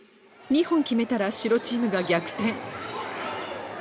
２本決めたら白チームが逆転。